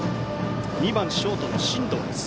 ２番ショート、進藤です。